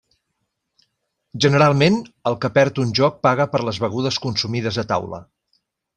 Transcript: Generalment, el que perd un joc paga per les begudes consumides a taula.